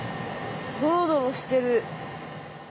ドロドロしてる。